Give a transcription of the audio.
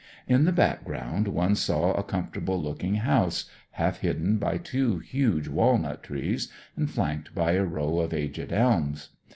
In the background one saw a comfortable looking house, half hidden by two huge walnut trees, and flanked by a row of aged elms.